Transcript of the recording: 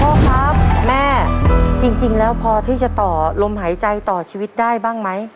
พ่อครับแม่จริงแล้วพอที่จะต่อลมหายใจต่อชีวิตได้บ้างไหม